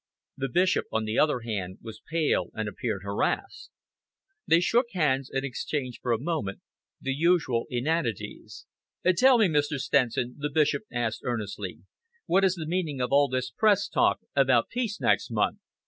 The Bishop, on the contrary, was pale and appeared harassed. They shook hands and exchanged for a moment the usual inanities. "Tell me, Mr. Stenson," the Bishop asked earnestly, "what is the meaning of all this Press talk, about peace next month?